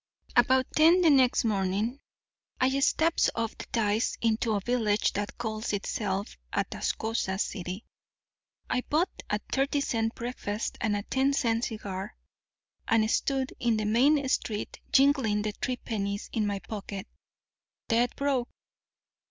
"About ten the next morning I steps off the ties into a village that calls itself Atascosa City. I bought a thirty cent breakfast and a ten cent cigar, and stood on the Main Street jingling the three pennies in my pocket—dead broke.